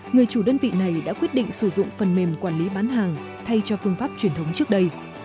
người chủ đơn vị này đã quyết định sử dụng phần mềm quản lý bán hàng thay cho phương pháp truyền thống trước đây